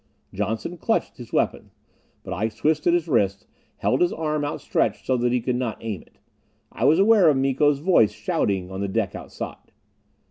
Johnson clutched his weapon, but I twisted his wrist, held his arm outstretched so that he could not aim it. I was aware of Miko's voice shouting on the deck outside.